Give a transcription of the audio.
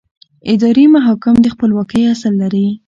اداري محاکم د خپلواکۍ اصل لري.